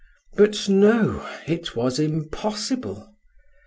But, no! it was impossible.